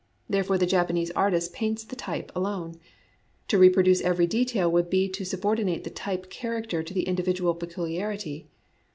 Therefore the Japanese artist paints the type alone. To reproduce every detail would be to subor dinate the type character to the individual peculiarity.